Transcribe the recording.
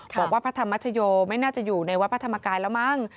บอกว่าพระธรรมชโยไม่น่าจะอยู่ในวัดพระธรรมกายแล้วมั้ง